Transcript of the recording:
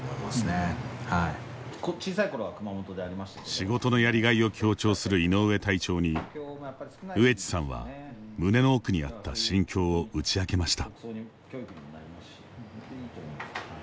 仕事のやりがいを強調する井上隊長に上地さんは胸の奥にあった心境を打ち明けました。